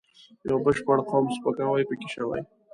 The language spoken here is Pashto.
د یوه بشپړ قوم سپکاوی پکې شوی.